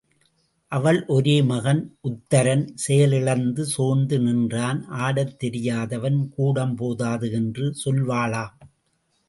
அவள் ஒரே மகன் உத்தரன் செயலிழந்து சோர்ந்து நின்றான் ஆடத்தெரியாதவள் கூடம் போதாது என்று சொல்வாளாம்.